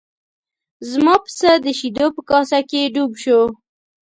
زما پسه د شیدو په کاسه کې ډوب شو.